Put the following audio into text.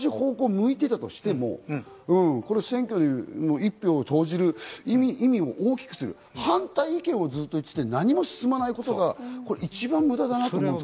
同じ方向を向いていたとしても、選挙の１票を投じる意味を大きくする、反対意見をずっと言っていたら、何も進まないことが一番無駄だなと思う。